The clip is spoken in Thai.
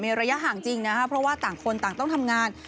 ระยะห่างจริงนะครับเพราะว่าต่างคนต่างต้องทำงาน